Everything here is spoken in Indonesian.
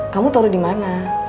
kamu tau udah dimana